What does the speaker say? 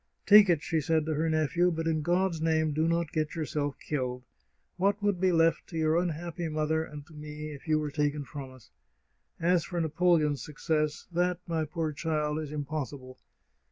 " Take it," she said to her nephew, " but in God's name do not get yourself killed! What would be left to your unhappy mother and to me if you were taken from us ? As for Napoleon's success, that, my poor child, is impossible.